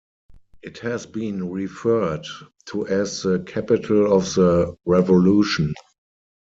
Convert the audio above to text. It has been referred to as the Capital of the revolution.